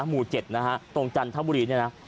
หมู่๗ตรงจันทบุรี